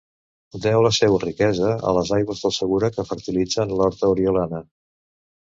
Deu la seua riquesa a les aigües del Segura que fertilitzen l'horta oriolana.